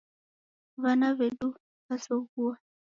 W'ana w'edu w'azoghua.